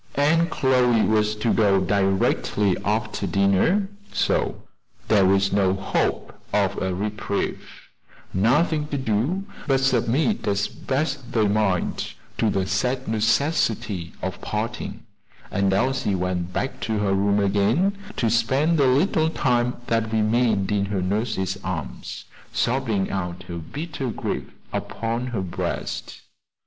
And Chloe was to go directly after dinner; so there was no hope of a reprieve, nothing to do but submit as best they might to the sad necessity of parting; and Elsie went back to her room again, to spend the little time that remained in her nurse's arms, sobbing out her bitter grief upon her breast.